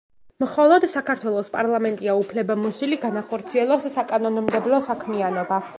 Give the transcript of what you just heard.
მოლოდ საქართველოს პარლამენტია უფლებამოსილი, განახორციელოს საკანონმდებლო საქმიანობა.